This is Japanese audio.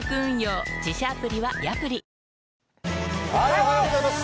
おはようございます。